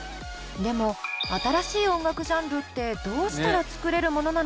でも新しい音楽ジャンルってどうしたら作れるものなのでしょうか？